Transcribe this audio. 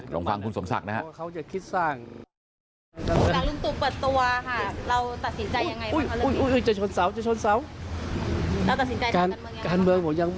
ลองฟังคุณสมศักดิ์นะฮะ